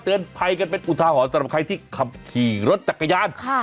ภัยกันเป็นอุทาหรณ์สำหรับใครที่ขับขี่รถจักรยาน